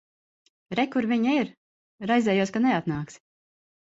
Re, kur viņa ir. Raizējos, ka neatnāksi.